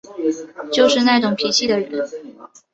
就是那种脾气的人